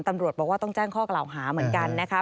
ตำรวจบอกว่าต้องแจ้งข้อกล่าวหาเหมือนกันนะคะ